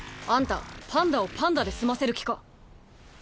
あんたパンダをパンダで済ませる気か？